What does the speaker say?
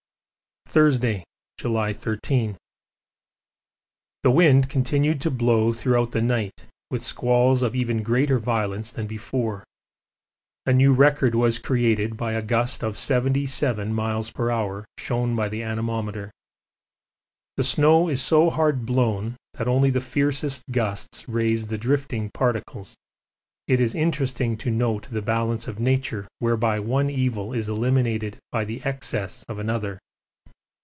Thursday, July 13. The wind continued to blow throughout the night, with squalls of even greater violence than before; a new record was created by a gust of 77 m.p.h. shown by the anemometer. The snow is so hard blown that only the fiercest gusts raise the drifting particles it is interesting to note the balance of nature whereby one evil is eliminated by the excess of another.